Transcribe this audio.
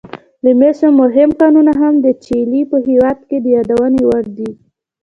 د مسو مهم کانونه هم د چیلي په هېواد کې د یادونې وړ دي.